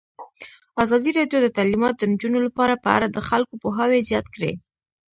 ازادي راډیو د تعلیمات د نجونو لپاره په اړه د خلکو پوهاوی زیات کړی.